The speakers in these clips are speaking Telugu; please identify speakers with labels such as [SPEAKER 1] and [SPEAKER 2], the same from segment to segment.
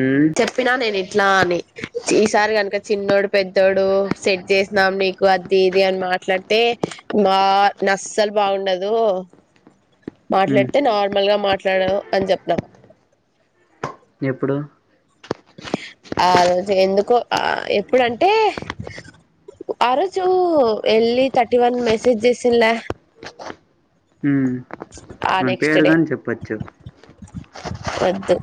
[SPEAKER 1] ఉమ్,
[SPEAKER 2] చెప్పినా నేనే అట్లా అని ఈసారి గనుక చిన్నోడు పెద్దోడు సెట్చేసినాం నీకు అదిఇది అని మా మాట్లాడితే మా నస్సలు బాగుండదు.
[SPEAKER 1] ఉమ్,
[SPEAKER 2] మాట్లాడితే నార్మల్గా మాట్లాడు అని చెప్పినా.
[SPEAKER 1] ఎప్పుడు?
[SPEAKER 2] ఆ రోజే ఎందుకో ఆ ఎప్పుడంటే ఆ రోజు ఎళ్ళీ థర్టీ వన్ మెసేజ్ చేసిల్లా
[SPEAKER 1] ఉ
[SPEAKER 2] ఆ
[SPEAKER 1] మన
[SPEAKER 2] నెక్స్ట్
[SPEAKER 1] పేరు
[SPEAKER 2] డే
[SPEAKER 1] గాని చెప్పచ్చు.
[SPEAKER 2] వద్దు.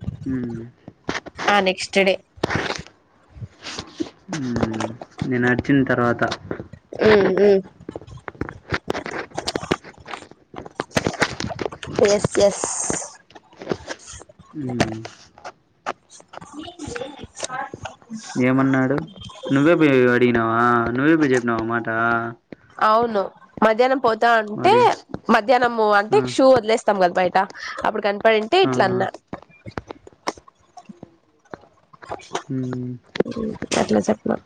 [SPEAKER 1] హ్
[SPEAKER 2] ఆ నెక్స్ట్ డే
[SPEAKER 1] ఉమ్, నేను అరిచిన తర్వాత
[SPEAKER 2] ఎస్ ఎస్
[SPEAKER 1] ఉమ్,
[SPEAKER 2] [inaudible]
[SPEAKER 1] ఏమన్నాడు? నువ్వే పోయి అడిగినావా, నువ్వే పోయి చెప్పినావ మాట.
[SPEAKER 2] అవును మధ్యాహ్నం పోతాంటే
[SPEAKER 1] వాడి
[SPEAKER 2] మధ్యాహ్నం
[SPEAKER 1] ఆ,
[SPEAKER 2] అంటే షూ వదిలేస్తాం కదా బయ ట అప్పుడు కనపడింటే
[SPEAKER 1] ఆ,
[SPEAKER 2] ఇట్లా
[SPEAKER 1] ఆ,
[SPEAKER 2] అన్నా.
[SPEAKER 1] ఉమ్,
[SPEAKER 2] ఉ అట్లా చెప్పినా.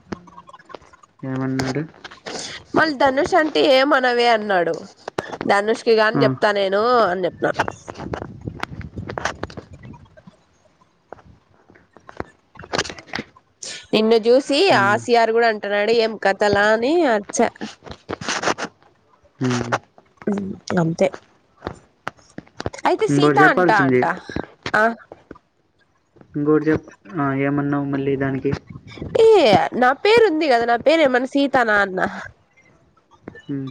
[SPEAKER 1] ఏమన్నాడు
[SPEAKER 2] మళ్ ధనుష్ అంటే ఏమనవే అన్నాడు. ధనుష్కి గాని
[SPEAKER 1] ఆ,
[SPEAKER 2] చెప్తా నేను అని చెప్నా. నిన్ను చూసి ఆ
[SPEAKER 1] ఉమ్,
[SPEAKER 2] సిఆర్ కూడా అంటున్నాడు ఏం కథలా అని అర్చా.
[SPEAKER 1] ఉమ్,
[SPEAKER 2] హ్ ఇంగా అంతే. అయితే
[SPEAKER 1] ఇంకోటి
[SPEAKER 2] సీత అంటా
[SPEAKER 1] చెప్పాల్సింది
[SPEAKER 2] అంట ఆ
[SPEAKER 1] ఇంగోటి చెప్ ఆ ఏమన్నవు మళ్ళీ దానికి
[SPEAKER 2] ఏయ్ నా పేరు ఉంది కదా. నా పేరు ఏమన్నా సీతనా అన్నా.
[SPEAKER 1] ఉమ్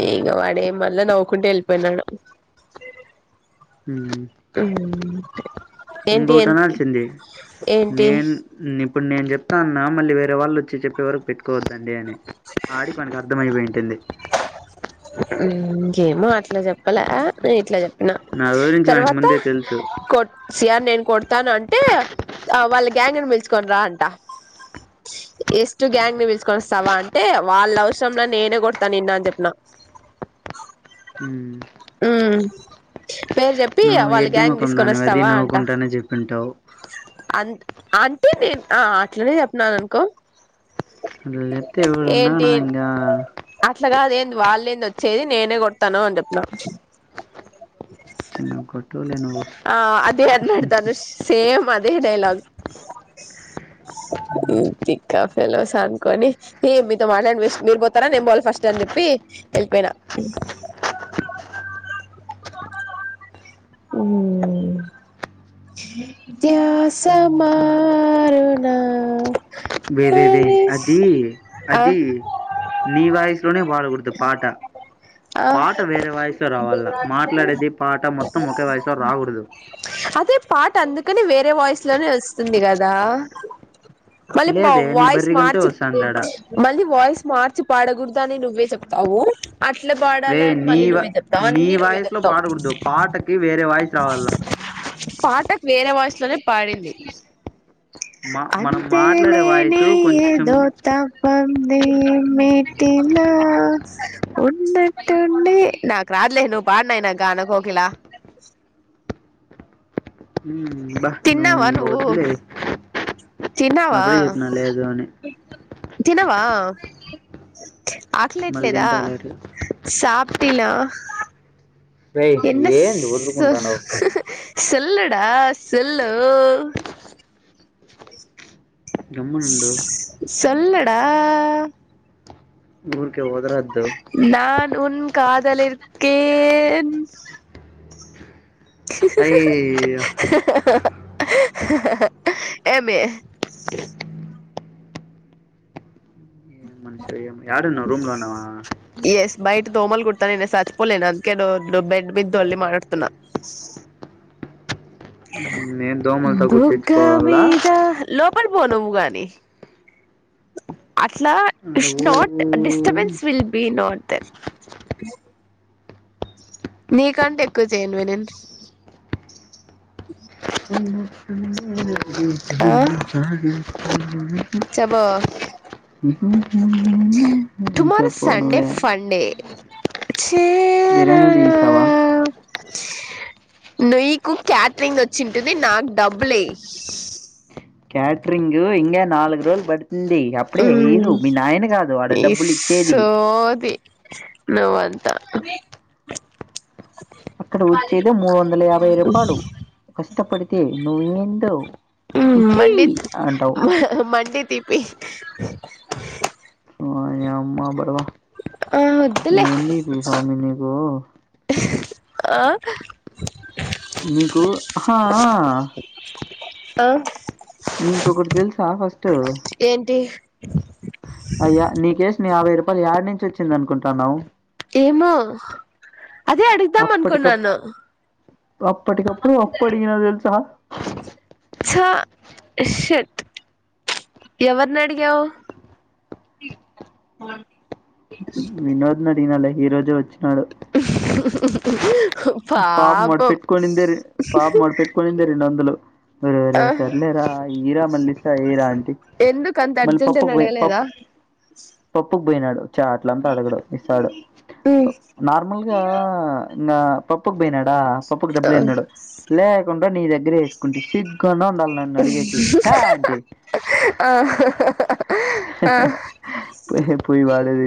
[SPEAKER 2] ఇగ వాడే మళ్ళా, నవ్వుకుంటు వెళ్ళిపోయినాడు. మ్
[SPEAKER 1] ఇంగోటి అనాల్సింది.
[SPEAKER 2] ఏంటి
[SPEAKER 1] నేను నిప్ ఇప్పుడు నేను చెప్తా అన్నా మళ్ళీ వేరే వాళ్ళు వచ్చి చెప్పే వరకు పెట్టుకోవద్దండి అని. ఆడికి వానికి అర్థంమయిపోయింటుంది.
[SPEAKER 2] మ్ ఎమో, అట్లా చెప్పాలె. అ నే ఇట్లా నా
[SPEAKER 1] గురించి వానికి
[SPEAKER 2] తర్వాత
[SPEAKER 1] ముందే తెలుసు
[SPEAKER 2] కో సియార్ నేను కొడతాను అంటే, వాళ్ళ గ్యాంగని పి ల్చుకోని రా అంట ఎస్టు గ్యాంగ్పిలుచుకొని, వస్తవ అంటే, వాళ్ళ అవసరంలె నేనే కొ నిన్న అన్ని చెప్పిన,
[SPEAKER 1] మ్మ్
[SPEAKER 2] మ్ పేరు చెప్ చీ
[SPEAKER 1] నువ్వు
[SPEAKER 2] అవ్వ, వాళ్ళ
[SPEAKER 1] ఎడ్డి
[SPEAKER 2] గ్యాంగ్
[SPEAKER 1] ముఖం
[SPEAKER 2] తీసుకొని
[SPEAKER 1] దానివి అది
[SPEAKER 2] వస్తావా, అంట
[SPEAKER 1] నవ్వుకుంటానే చెప్పింటావు
[SPEAKER 2] అం అంటే, నేను అ అట్లనే చెప్పిన్నాను అనుకో
[SPEAKER 1] అట్లా చెప్తే, ఎవరన్నా ఇంగా
[SPEAKER 2] అట్లాగాదేంది వాళ్ళేంది. వచ్చేది, నేనే కొడతాను అని చెప్పిన.
[SPEAKER 1] చిన్కోట్
[SPEAKER 2] ఆ అదే అన్నాడు. ధనుష్ సేమ్ అదే డైలాగ్ మ్ తిక్కా హలోసా అనుకోని, ఏ మీతో మాట్లాడి వెస్ట్, మీరు పోతారా, నేను పోవల ఫస్ట్ అని చెప్పి వెళ్ళిపోయినా. స్వాగత, స్వాగత స్వామికి ఉమ్ ద్యాస, మారుణ
[SPEAKER 1] వేవేవే, అది
[SPEAKER 2] ఆ
[SPEAKER 1] అది నీ వాయిస్లోనే పాడకూడదు. పాట
[SPEAKER 2] ఆ
[SPEAKER 1] పాట వేరే వాయిస్లోలో రావాల, మాట్లాడేది, పాట మొత్తం ఒకే వాయిస్ లో
[SPEAKER 2] మ్
[SPEAKER 1] రాకూడదు
[SPEAKER 2] అదే పాట్ అందుకని వేరే వాయిస్ లోనే వస్తుంది. గదా మళ్ళీ బ
[SPEAKER 1] లేదే నీ
[SPEAKER 2] వాయిస్,
[SPEAKER 1] బర్రి గొంతే
[SPEAKER 2] మార్చ
[SPEAKER 1] వస్తాందాడ
[SPEAKER 2] మళ్ళీ వాయిస్ మార్చి పాడ గుడదనువ్న్వ్ ని నువ్వే చెప్తావు అట్లా
[SPEAKER 1] వయ్
[SPEAKER 2] పాడాలని
[SPEAKER 1] నీ
[SPEAKER 2] మళ్ళీ
[SPEAKER 1] వ
[SPEAKER 2] నువ్వే చెప్తావు
[SPEAKER 1] నీ
[SPEAKER 2] అన్ని నువ్వే
[SPEAKER 1] వాయిస్ లో
[SPEAKER 2] చెప్తావు
[SPEAKER 1] పాట కుడదు, పాటకి వేరే వాయిస్ రావాల
[SPEAKER 2] పాటకు వేరే వాయిస్ లోనే పాడింది.
[SPEAKER 1] మా మనం మాట్లాడే
[SPEAKER 2] అంతేలేని
[SPEAKER 1] వాయిసు కొంచెం
[SPEAKER 2] ఏదో తపం ఎ మటిలా ఉన్నట్టుండి నాకు రాటలేదు. పాడు నాయినా గాన కోకిల
[SPEAKER 1] మ్మ్ బా
[SPEAKER 2] తిన్నావా
[SPEAKER 1] ఇంగ
[SPEAKER 2] నువ్వు
[SPEAKER 1] వద్దులే
[SPEAKER 2] తీన్నావా
[SPEAKER 1] అప్పుడే చెప్పినా లేదు అని
[SPEAKER 2] తినవా ఆకలి
[SPEAKER 1] మళ్ళీ
[SPEAKER 2] ఎట్లేదా
[SPEAKER 1] తింటా లేటుగా
[SPEAKER 2] సా టిలా
[SPEAKER 1] రేయ్
[SPEAKER 2] ఎన్న స్
[SPEAKER 1] ఏంది
[SPEAKER 2] హ
[SPEAKER 1] వదులుకుంటానవు
[SPEAKER 2] హ హ సోల్డా సోలు
[SPEAKER 1] గమ్మునుండు
[SPEAKER 2] సోల్డా
[SPEAKER 1] ఊరికే వదలద్దు
[SPEAKER 2] కాదలిరికే
[SPEAKER 1] అయ్యో అయ్యో
[SPEAKER 2] హ హ ఎమీ
[SPEAKER 1] మనిషి యాడున్నావు రూమ్ లో ఉన్నావా
[SPEAKER 2] ఎస్ బయిట్ దోమల్ గుడుతున్నాయి. నేను సచ్చిపొలేను, అందుకే బెడ్మీద దోల్లి మాట్లాడుతున్నా.
[SPEAKER 1] నేను దోమలతో
[SPEAKER 2] బుగ్గ
[SPEAKER 1] కుట్టించుకోవాలా
[SPEAKER 2] మీద లో పడిపోనము గాని అట్లా
[SPEAKER 1] ఆడ
[SPEAKER 2] ఇస్
[SPEAKER 1] ఊ
[SPEAKER 2] not disturbance will be not there నీ కంటే ఎక్కువ చేయను వే నిను [inaudible]
[SPEAKER 1] చా
[SPEAKER 2] చెప్పు టుమారో
[SPEAKER 1] చెప్పు
[SPEAKER 2] సడే
[SPEAKER 1] నువ్వే
[SPEAKER 2] ఫన్డే
[SPEAKER 1] బిర్యానీ తీసిసవ
[SPEAKER 2] నీకు క్యాటరింగ్ వచ్చింటుంది నాకు డబ్బులే
[SPEAKER 1] క్యాట్రింగ హింగ నాలుగు రోజలు బట్ అప్పుడే ఇదు
[SPEAKER 2] మ్
[SPEAKER 1] మీ నాయన కాదు ఆడ
[SPEAKER 2] నీ
[SPEAKER 1] డబ్బులు ఇచ్చేది
[SPEAKER 2] నువ్వంత
[SPEAKER 1] అక్కడ వచ్చేదో మూడు వందల యాభై రూపాయలు కష్టపడితే నువ్వేందో.
[SPEAKER 2] మండ
[SPEAKER 1] ఇచ్చేయి అంటావు
[SPEAKER 2] మండి తీపి
[SPEAKER 1] ఆ ఏ అమ్మా బాడవ
[SPEAKER 2] ఆ వద్దులే
[SPEAKER 1] ఎంది స్వామి నీకు
[SPEAKER 2] ఆ
[SPEAKER 1] నీకు హ
[SPEAKER 2] ఆ
[SPEAKER 1] నీకు ఒకటి తెలుసా ఫస్ట్
[SPEAKER 2] ఏంటి
[SPEAKER 1] అయ్యా నీ కేేసు నీ యాభై రూపాయలు ఏడు నుంచి వచ్చింది అనుకుంటున్నావు.
[SPEAKER 2] ఏమో అదే అడుగుదాం అనుకున్నాను
[SPEAKER 1] అప్పటికిప్పుడు అప్పు అడిగినా తెలుసా
[SPEAKER 2] చ షట్ ఎవరిని అడిగావు ఆ
[SPEAKER 1] వినోద్ నడిగనాల ఈ రోజే వచ్చినాడు పాపం మొడి పెట్టుకని పాపం వాడు పెట్టుకనిందే రెండు వందులు. రే రే
[SPEAKER 2] ఆ
[SPEAKER 1] సర్లేరా ఈరా మల్లిస్తా ఈరా అంటి
[SPEAKER 2] ఎందుకు అంత
[SPEAKER 1] మల్లి
[SPEAKER 2] అర్జెంట్
[SPEAKER 1] పప్పు
[SPEAKER 2] అని
[SPEAKER 1] గే
[SPEAKER 2] అడగలేదా
[SPEAKER 1] పప్పు పోయినాడు చాట్ల అంతా అడగడు ఇస్తాడు నార్మల్గా ఇంకా పప్పుకు పోయినాడా పప్పుకు డబ్బులుంన్నాడు లేకుండా నీ దగ్గరే వేసుకుంటే సిగ్గున్న నన్ని అడిగే కి పే అంటి
[SPEAKER 2] ఆ ఆ
[SPEAKER 1] పో పోయి బడే [inaudible]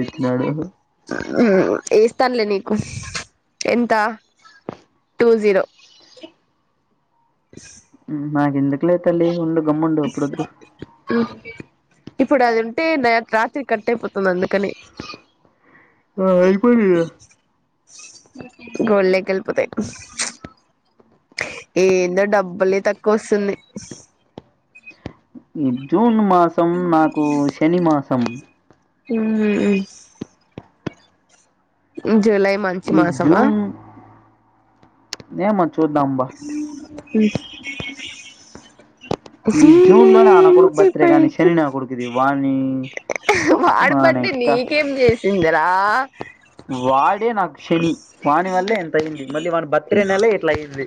[SPEAKER 2] తల్లి నీకు ఎంత టూ జీరో
[SPEAKER 1] నా ఎందుకులే తల్లి ఉుండు గమ్ముండు అప్పుడు వద్దు
[SPEAKER 2] ఇప్పుడు అదింటే న రాత్రి కట్ అయిపోతుంది అందుకని.
[SPEAKER 1] ఆ అయ్యిపోనీలే
[SPEAKER 2] గొల్లేకి వెళ్ళిపోథాయ్ ఏందో డబ్బులే తక్కువ వస్తుంది.
[SPEAKER 1] జూన్ మాసం నాకు శని మాసం
[SPEAKER 2] ఉ జూలై మంచి మాసమా
[SPEAKER 1] ఏ మన్
[SPEAKER 2] అ
[SPEAKER 1] ఈ జూన్ లో నా నా కొడుకు బర్త్డే కానీ
[SPEAKER 2] పైకి
[SPEAKER 1] శని నా కొడుకుది వానీ
[SPEAKER 2] వాడి బడ్డే నీకేం చేసిందిరా
[SPEAKER 1] వాడే నాకు శని వాని వల్లే ఇంతయింది మళ్ళీ వాని బర్త్డ్ నెలె ఇట్లాయింది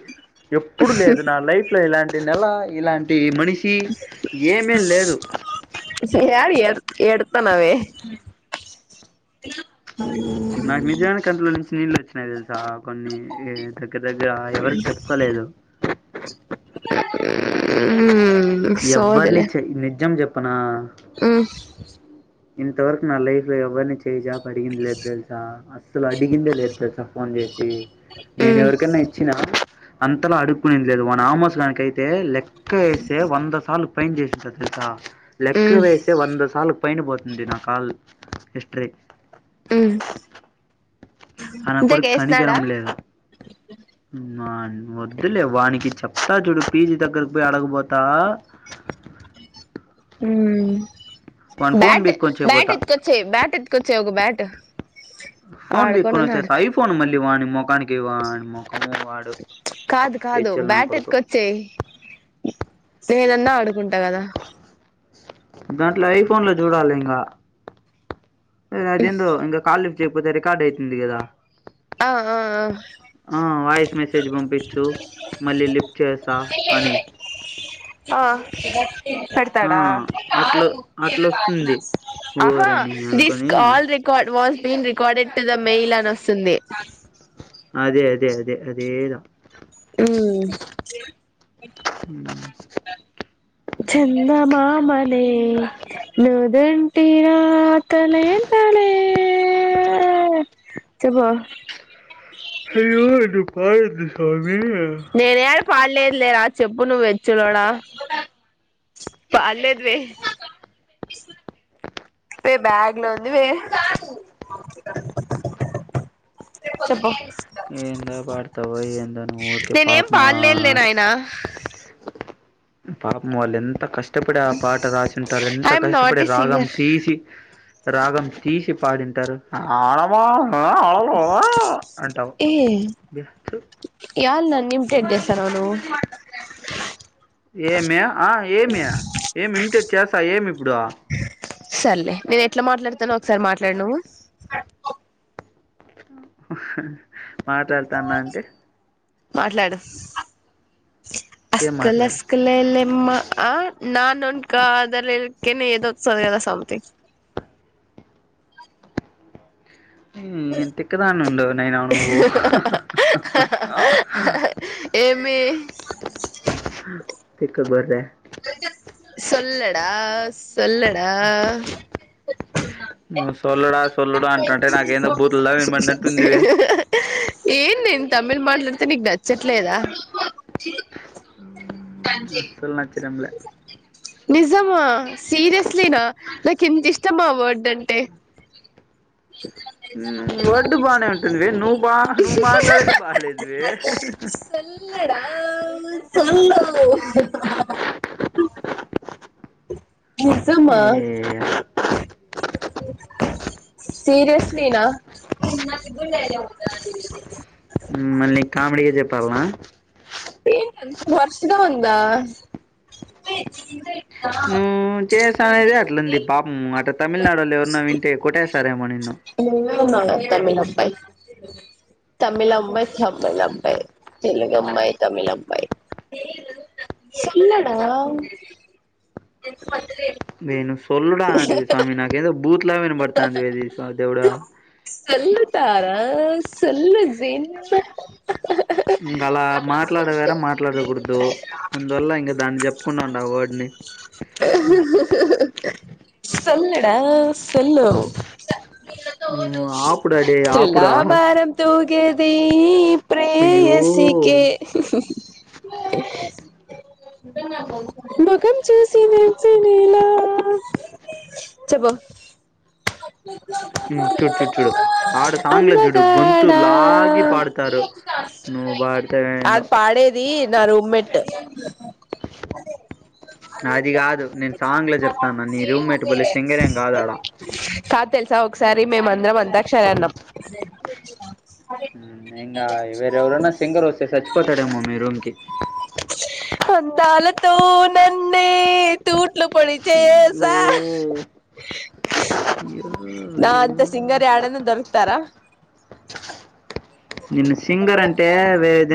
[SPEAKER 1] ఎప్పుడు లేదు నా లైఫ్ లో ఇలాంటి నెల ఇలాంటి మని షి ఏమీ లేదు
[SPEAKER 2] ఎడుతానవే
[SPEAKER 1] నాకు నిజానికి కంట్లో నుంచి నీళ్ళు వచ్చినాయి చ కొన్ని దగ్గర దగ్గర ఎవరు చెప్పుకోలేదు
[SPEAKER 2] ఆ
[SPEAKER 1] ఎవరిని చె నిజం చెప్పనా
[SPEAKER 2] ఆ
[SPEAKER 1] ఇంతవరకు నా లైఫ్ లో ఎవరిని చేయిజాపి అడిగింది లేదు తెలుసా అసలు అడిగిందే లేదు తెలుసా ఫోన్ చేసి నేను
[SPEAKER 2] మ్మ్
[SPEAKER 1] ఎవరికన్నా ఇచ్చినా అంతలా అడుక్కునింది లేదు వాని అమోస్ గానికైతే లెక్క ఏస్తే వంద సార్లు పైన్ చేసేసారు తెలుస లెక్క
[SPEAKER 2] మ్మ్
[SPEAKER 1] వేసే వంద సార్లు పైన పోతు ఉంది నా కాల్ హిస్టరీ
[SPEAKER 2] అ
[SPEAKER 1] ఆ నా కొడుకు కణికరము లేదు వాని వద్దులే వానికి చెప్తా చూడు పీజీ దగ్గరకి పోయి అడకుబోతా
[SPEAKER 2] ఏమయో
[SPEAKER 1] వాని ఫోను
[SPEAKER 2] బ్యాట్ బ్యాట్
[SPEAKER 1] బీక్కొనిచ్చేయబోతా.
[SPEAKER 2] ఎతుకొచ్చే బ్యాట్ ఎత్కొచ్చే ఒక బ్యాట్
[SPEAKER 1] ఫోన్ బి
[SPEAKER 2] ఆడుకోనున్నాడు
[SPEAKER 1] కొనచ్చేస్త ఐఫోన్ మళ్ళీ వాని మోకానికి వానీ మో
[SPEAKER 2] కాదు కాదు
[SPEAKER 1] నా
[SPEAKER 2] బ్యాట్
[SPEAKER 1] కొడుకు.
[SPEAKER 2] ఎతుకొచ్చేయి స్నేహదన్నా ఆడుకుంటా కదా
[SPEAKER 1] దాంట్లో ఐఫోన్ లో చూడాలి ఇంగా అదేందో ఇంగా కాల్ లీఫ్ చెపోతే రికార్డ్ అయితుంది కదా
[SPEAKER 2] ఆ ఆ
[SPEAKER 1] ఆ వాయిస్ మెసేజ్ పంపించు మళ్ళీ లిఫ్ట్ చేసా అని
[SPEAKER 2] ఆ
[SPEAKER 1] ఆ
[SPEAKER 2] పెడతాడా
[SPEAKER 1] అట్ల అట్లొస్తుంది
[SPEAKER 2] ఆహా
[SPEAKER 1] ఓరిని
[SPEAKER 2] దిస్
[SPEAKER 1] అనుకొని
[SPEAKER 2] call record was been recorded to the mail అని వస్తుంది
[SPEAKER 1] అదే అదే అదే అదేదో
[SPEAKER 2] అ
[SPEAKER 1] అ
[SPEAKER 2] చందమామనే నుదంటి రాతలేంట చెపో
[SPEAKER 1] అయ్యో ఎటు పాయె దిస్ వన్
[SPEAKER 2] నేనేడ పాడలేదు లేరా చెప్పు నువ్వు ఏచ్చులోడా పాడ్లేదు వే వే బ్యాగ్ లో ఉంది వే చెప్పు
[SPEAKER 1] ఏందో పాడుతావు ఏందో నువ్వు ఊరికె పాప
[SPEAKER 2] నేనేం
[SPEAKER 1] మా
[SPEAKER 2] పాడలేదులే నాయనా
[SPEAKER 1] పాపం వాళ్ళెంత క ష్టపడి ఆ పాట రాసింటారు. ఎంత
[SPEAKER 2] ఐఎమ్ నాట్
[SPEAKER 1] కష్టపడి
[SPEAKER 2] ఏ
[SPEAKER 1] రాగం
[SPEAKER 2] సింగర్
[SPEAKER 1] తీసి రాగం తీసి పాడింతర్ ఆవా అంటావ్
[SPEAKER 2] యాల్ నన్ ఇమిటేట్ చేస్తాన్నవా నువు
[SPEAKER 1] ఏమి ఆ ఏమి ఏం ఇమిటేట్ చేస్తా ఏం ఇప్పుడు
[SPEAKER 2] సర్లే నేనెట్ల మాట్లాడ్తనో ఒక్సార్ మాట్లాడ్ నువ్వు
[SPEAKER 1] మాట్లాడ్తాన్న అంటే
[SPEAKER 2] మాట్లాడు
[SPEAKER 1] ఏం మాట్లాడు
[SPEAKER 2] అస్కలస్కలే లేమ్మా ఆ నాన్ వంక కాదలే కనే ఏదో వస్తది కదా సమ్థింగ్
[SPEAKER 1] మ్ తిక్కదాన్ ఉండవు నేను నువ్వు
[SPEAKER 2] మే
[SPEAKER 1] తిక్కబర్రే
[SPEAKER 2] సొల్లడా సొల్లడా
[SPEAKER 1] నువు సొల్లుడా సొల్లుడా అంటంటే నాకేందో బూతుల్ల వినబడేనట్టుంది.
[SPEAKER 2] ఏ నేన్ తమిళ్ మాట్లాడ్తే నీక్ నచ్చట్లేదా
[SPEAKER 1] అస్సల్ నచ్చడంలే
[SPEAKER 2] నిజమా, సీరియస్లీనా నాకెంతిష్టం ఆ వర్డ్ అంటే
[SPEAKER 1] మ్ వర్డ్ బానే ఉంటుందివి నువ్ బా నువ్వు మాట్లాడేదే బాలేదువి
[SPEAKER 2] సొల్లుడా సొల్లు నిజమా
[SPEAKER 1] ఏ
[SPEAKER 2] సీరియస్లీనా
[SPEAKER 1] మళ్ నీక్ కామెడీగా చెప్పాల్నా
[SPEAKER 2] వర్షగా ఉందా
[SPEAKER 1] నువ్వు చేసా అనేదే అట్లుంది పాపం అటు తమిళనాడోళ్ళు ఎవరన్న వింటే కొట్టేస్తారేమో నిన్ను
[SPEAKER 2] విన్నా [inaudible] తమిళ్ అబ్బాయి తమిల్ అమ్మాయి, తమిళ్ అబ్బాయ్ తెలుగు అమ్మాయి తమిళ్ అబ్బాయ్ సొల్లుడా
[SPEAKER 1] నేను సొల్లుడ అనది స్వామి నాకేదో బూత్ లాగ వినబడ్తాంది అది దేవుడా
[SPEAKER 2] ఆ సొల్లు [inaudible]
[SPEAKER 1] ఇంక అలా మాట్లాడవేరా మాట్లాడకూడదు అందువల్ల ఇంక దాన్ని చెప్పుకుండా ఉండు ఆ వర్డ్ని.
[SPEAKER 2] సొల్లడా సొల్లు
[SPEAKER 1] నూ ఆపు డాడీ ఆపుడా
[SPEAKER 2] కేది
[SPEAKER 1] అయ్యో
[SPEAKER 2] ప్రేయసికే స్ మొఖం చూసి నచ్చేవేళా చెప్పు
[SPEAKER 1] మ్ చూడ్ చూడ్ చూడు ఆడ సాంగ్ల చూడు గొంతు
[SPEAKER 2] అందగాడా
[SPEAKER 1] లాగి పాడ్తారు. నువ్ బాడ్తే ఏందో
[SPEAKER 2] అది పాడేది నా రూమ్మెట్ అ
[SPEAKER 1] అది కాదు నేను సాంగ్లో చెప్తాన్నా నీ రూమ్మేట్ భలే సింగరేం కాదు ఆడ.
[SPEAKER 2] కాద్ తెల్సా ఒక్సారి మేం అందరం అంతాక్షరి ఆడినం.
[SPEAKER 1] ఇంగా వేరెవరన్న సింగర్ వస్తే సచ్చిపోతాడేమో మీ రూమ్కి
[SPEAKER 2] అందాలతో నన్నే తూ ఇట్ల పొడిచేయేస
[SPEAKER 1] అయ్యో
[SPEAKER 2] నా
[SPEAKER 1] అయ్యో
[SPEAKER 2] అంత సింగరి ఎడనా దొరుకుతారా,
[SPEAKER 1] హు సింగర్ అంటే వేది